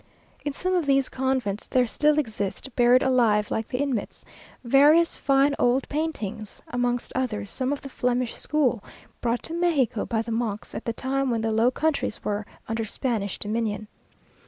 In some of these convents there still exist, buried alive like the inmates, various fine old paintings; amongst others, some of the Flemish school, brought to Mexico by the monks, at the time when the Low Countries were under Spanish dominion.